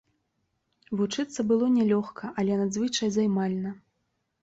Вучыцца было нялёгка, але надзвычай займальна.